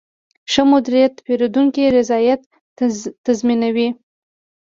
ښه مدیریت د پیرودونکي رضایت تضمینوي.